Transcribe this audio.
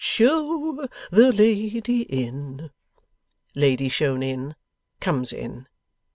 'Show the lady in.' Lady shown in, comes in.